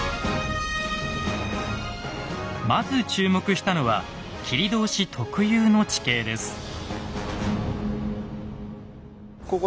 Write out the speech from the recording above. まず注目したのは切通特有の地形です。